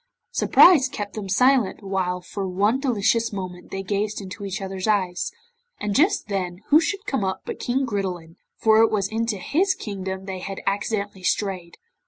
Surprise kept them silent while for one delicious moment they gazed into each other's eyes, and just then who should come up but King Gridelin, for it was into his kingdom they had accidentally strayed.